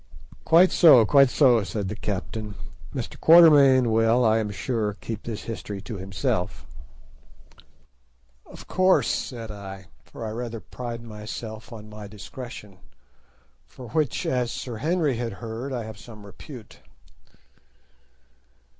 "Quite so, quite so," said the captain. "Mr. Quatermain will, I am sure, keep this history to himself." "Of course," said I, for I rather pride myself on my discretion, for which, as Sir Henry had heard, I have some repute.